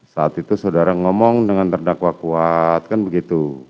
saat itu saudara ngomong dengan terdakwa kuat kan begitu